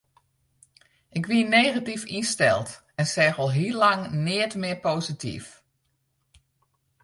Ik wie negatyf ynsteld en seach al hiel lang neat mear posityf.